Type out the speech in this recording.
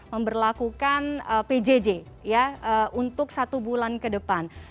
memperlakukan pjj untuk satu bulan ke depan